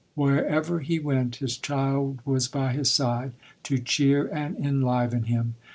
Wherever he went, his child was by his side, to cheer and en liven him.